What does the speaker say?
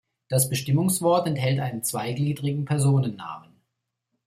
Das Bestimmungswort enthält einen zweigliedrigen Personennamen.